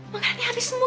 makanan ini habis semua